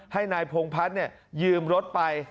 ให้นายพงพัฒน์ยืมรถไป